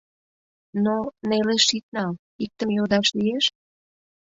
Но... нелеш ит нал, иктым йодаш лиеш?